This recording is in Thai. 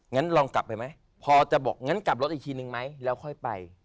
งั้นลองกลับไปไหมพอจะบอกงั้นกลับรถอีกทีนึงไหมแล้วค่อยไป